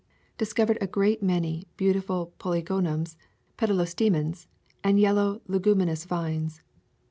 Discovered a great many beautiful poly gonums, petalostemons, and yellow leguminous vines.